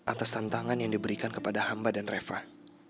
atas tantangan yang diberikan kepada hamba dan refah